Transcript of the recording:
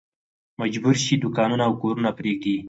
مجبور شي دوکانونه او کورونه پرېږدي.